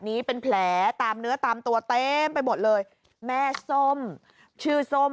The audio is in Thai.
นี้เป็นแผลตามเนื้อตามตัวเต็มไปหมดเลยแม่ส้มชื่อส้ม